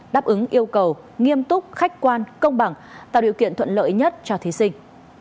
đáp ứng yêu cầu nghiêm túc khách quan công bằng tạo điều kiện thuận lợi nhất cho thí sinh